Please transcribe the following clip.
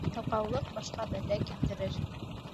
Ялҡаулыҡ башҡа бәлә килтерер.